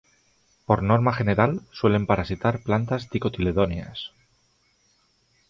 Por norma general, suelen parasitar plantas dicotiledóneas.